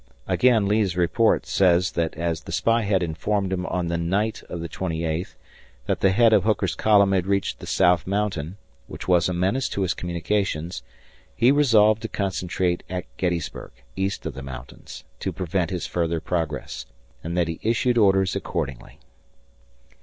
Again, Lee's report says that as the spy had informed him on the night of the twenty eighth that the head of Hooker's column had reached the South Mountain, which was a menace to his communications, he resolved to concentrate at Gettysburg, east ofthe mountain, to prevent his further progress and that he issued orders accordingly.